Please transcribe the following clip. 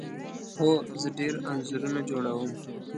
هو، زه ډیر انځورونه جوړوم